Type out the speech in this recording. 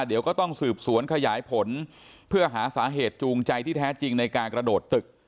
เดี๋ยวก็ต้องสืบสวนขยายผลเพื่อหาสาเหตุจูงใจที่แท้จริงในการกระโดดตึก